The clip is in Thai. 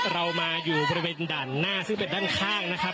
เรามาอยู่บริเวณด่านหน้าซึ่งเป็นด้านข้างนะครับ